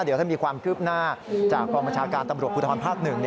เดี๋ยวถ้ามีความคืบหน้าจากกรบัชการตำรวจภูทธรภัคหนึ่ง